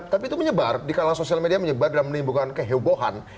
tapi itu menyebar di kala sosial media menyebar dan menimbulkan kehebohan